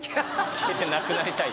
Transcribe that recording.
消えてなくなりたい